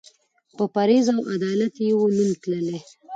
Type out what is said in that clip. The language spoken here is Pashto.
په پرهېز او عدالت یې وو نوم تللی